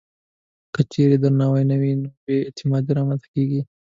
که چېرې درناوی نه وي، نو بې اعتمادي رامنځته کېږي.